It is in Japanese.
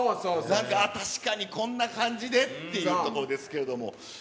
なんか、あっ、確かにこんな感じでっていうところですけれども。